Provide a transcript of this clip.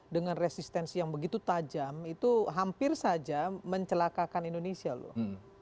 dengan resistensi yang begitu tajam itu hampir saja mencelakakan indonesia loh